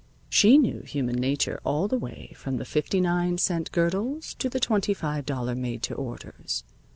She knew human nature all the way from the fifty nine cent girdles to the twenty five dollar made to orders.